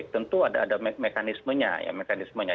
tentu ada mekanismenya